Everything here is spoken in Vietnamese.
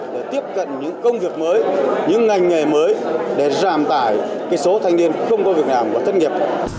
để tiếp cận những công việc mới những ngành nghề mới để giảm tải số thanh niên không có việc làm và thất nghiệp